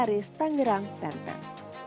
garis tangerang penter